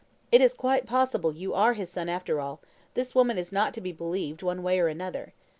It is quite possible you are his son after all: this woman is not to be believed one way or another.